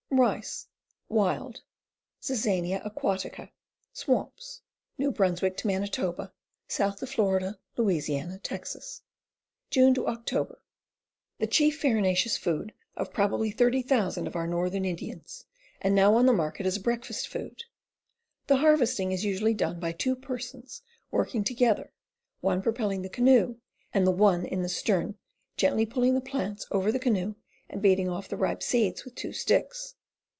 Rice, Wild. Zizania aquatica. Swamps. New Brunsw. to Manitoba, south to Fla., La., Texas. June Od. The chief farinaceous food of probably 30,000 of our northern Indians, and now on the market as a breakfast food. The harvesting is usually done by two persons working to gether, one propelling the canoe, and the one in the stern gently pulling the plants over the canoe and beating off the ripe seed with two sticks.